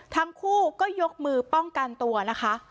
ทั้งคู่ก็ยกมือป้องกันตัวนะคะ